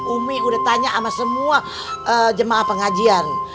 umi udah tanya sama semua jemaah pengajian